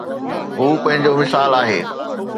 هو پنهنجو مثال آهي.